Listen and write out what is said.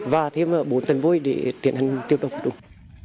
và thêm bốn tấn vôi để tiến hành tiêu động